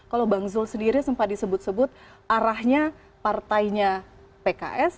kalau bang zul sendiri sempat disebut sebut arahnya partainya pks